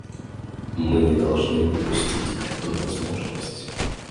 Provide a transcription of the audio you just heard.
Мы не должны упустить эту возможность.